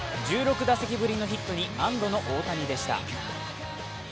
１６打席ぶりのヒットに安どの大谷でした。